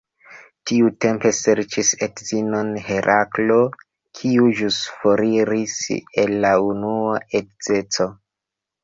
Tiutempe serĉis edzinon Heraklo, kiu ĵus foriris el la unua edzeco.